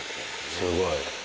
すごい。